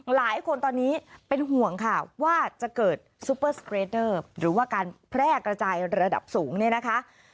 หลายคนตอนนี้เป็นห่วงค่ะว่าจะเกิดซูเปอร์สเกรดเนอร์หรือว่าการแพร่กระจายระดับสูงเนี่ยนะคะ